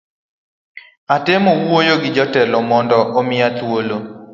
Atemo wuoyo gi jatelo mondo omiya thuolo